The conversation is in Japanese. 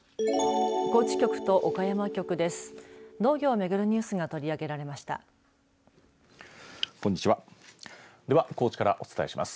高知局と岡山局です。